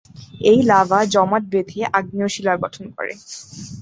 এই লাভা জমাট বেঁধে আগ্নেয় শিলা গঠন করে।